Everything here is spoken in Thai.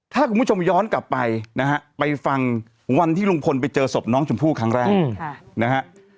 ถ้าคุณผู้ชมย้อนกลับไปนะฮะไปฟังวันที่ลุงพลไปเจอศพน้องชมพู่ครั้งแรกนะฮะ